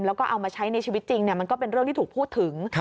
แล้วก็เอามาใช้ในชีวิตจริงมันก็เป็นเรื่องที่ถูกพูดถึง